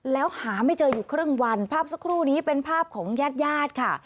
แล้วหาไม่เจออยู่ครึ่งวันภาพสักครู่นี้เป็นภาพของญาติญาติค่ะ